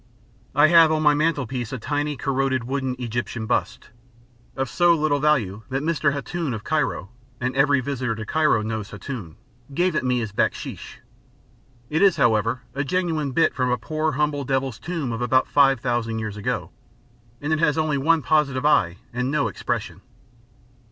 I have on my mantelpiece a tiny, corroded, wooden Egyptian bust, of so little value that Mr. Hatoun of Cairo (and every visitor to Cairo knows Hatoun) gave it me as Baksheesh; it is, however, a genuine bit from a poor humble devil's tomb of about five thousand years ago. And it has only one positive eye and no expression.